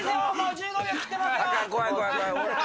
１５秒切ってますよ！